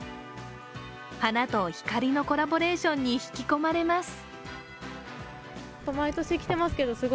花と光のコラボレーションに引き込まれます。